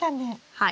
はい。